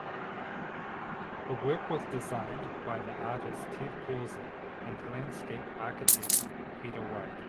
The work was designed by the artist Ted Clausen and landscape architect Peter White.